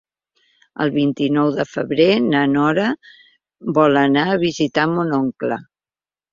El vint-i-nou de febrer na Nora vol anar a visitar mon oncle.